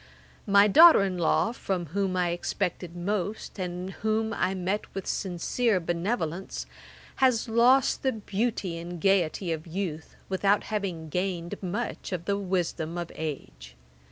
My daughter in law, from whom I expected most, and whom I met with sincere benevolence, has lost the beauty and gaiety of youth, without having gained much of the wisdom of age.